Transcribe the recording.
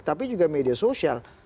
tapi juga media sosial